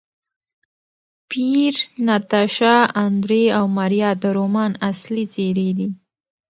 پییر، ناتاشا، اندرې او ماریا د رومان اصلي څېرې دي.